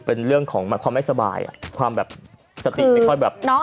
เป็นเรื่องของความไม่สบายความแบบสติไม่ค่อยแบบ